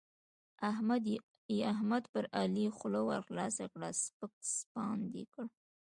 احمد پر علي خوله ورخلاصه کړه؛ سپک سپاند يې کړ.